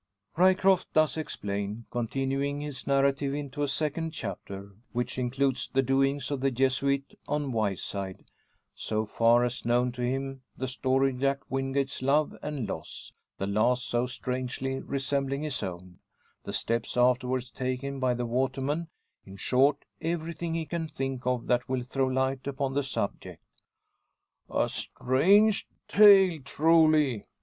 Ryecroft does explain, continuing his narrative into a second chapter, which includes the doings of the Jesuit on Wyeside, so far as known to him; the story of Jack Wingate's love and loss the last so strangely resembling his own the steps afterwards taken by the waterman; in short, everything he can think of that will throw light upon the subject. "A strange tale, truly!"